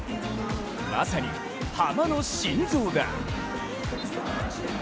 まさにハマの心臓だ。